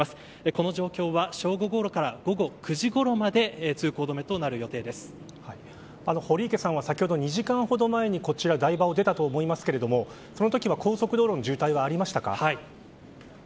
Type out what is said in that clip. この状況は正午ごろから午後９時ごろまで堀池さんが先ほど２時間ほど前に台場を出たと思いますがその時は高速道路の渋滞はありましたか。